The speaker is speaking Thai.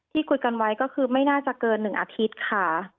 คุยกันไว้ก็คือไม่น่าจะเกิน๑อาทิตย์ค่ะ